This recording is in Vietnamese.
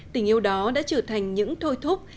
tình yêu đó đã trở thành những thôi thúc